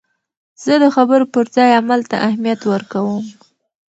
زه د خبرو پر ځای عمل ته اهمیت ورکوم.